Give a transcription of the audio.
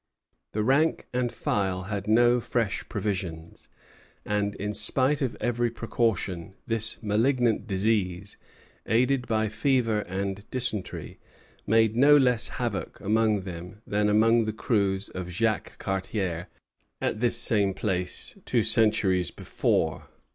The rank and file had no fresh provisions; and, in spite of every precaution, this malignant disease, aided by fever and dysentery, made no less havoc among them than among the crews of Jacques Cartier at this same place two centuries before.